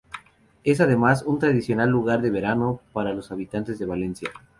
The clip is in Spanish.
Es además un tradicional lugar de veraneo para los habitantes de Valencia.